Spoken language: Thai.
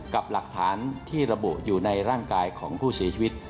กับหลักฐานที่ระบุอยู่ในร่างกายของผู้เสียชีวิต